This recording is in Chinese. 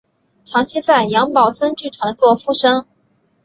长期在杨宝森剧团做副生。